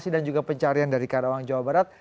dan juga pencarian dari karawang jawa barat